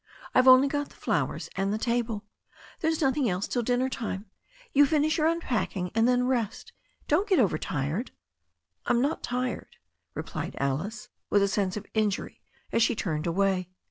I've only got the flowers and the table. There's nothing else till dinner time. You finish your unpacking, and then rest. Don't get overtired." "I'm not tired," replied Alice with a sense of injury, as she turned away.